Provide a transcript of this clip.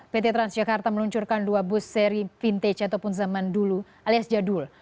pt transjakarta meluncurkan dua bus seri vintage ataupun zaman dulu alias jadul